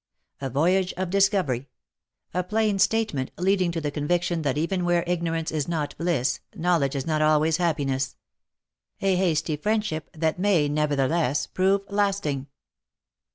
A VOYAGE OF DISCOVERY A PLAIN STATEMENT, LEADING TO THE CONVICTION THAT EVEN WHERE IGNORANCE IS NOT BLISS, KNOW LEDGE IS NOT ALWAYS HAPPINESS A HASTY FRIENDSHIP THAT MAY NEVERTHELESS PROVE LASTING.